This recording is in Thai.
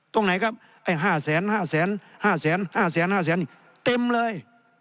ตรงไหนครับไอ้ห้าแสนห้าแสนห้าแสนห้าแสนห้าแสนเต็มเลย